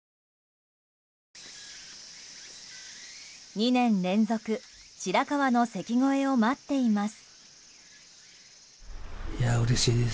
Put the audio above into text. ２年連続白河の関越えを待っています。